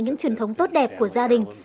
những truyền thống tốt đẹp của gia đình